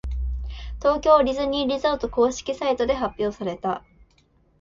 東京ディズニーリゾート公式サイトで発表された。